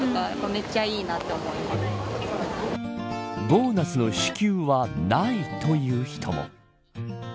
ボーナスの支給はないという人も。